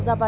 à thế ạ